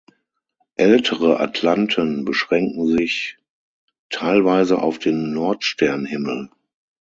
Ältere Atlanten beschränken sich teilweise auf den Nordsternhimmel.